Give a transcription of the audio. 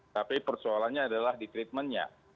tapi persoalannya adalah di treatmentnya